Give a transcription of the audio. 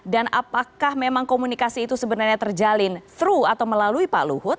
dan apakah memang komunikasi itu sebenarnya terjalin through atau melalui pak luhut